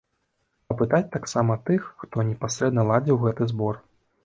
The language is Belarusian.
Апытаць таксама тых, хто непасрэдна ладзіў гэты збор.